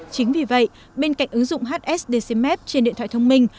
chính vì vậy bên cạnh ứng dụng hsdcmap trên điện thoại thông minh